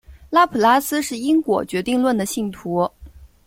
拉普拉斯是因果决定论的信徒。